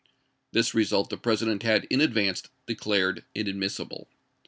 This result the Presi dent had in advance declared inadmissible.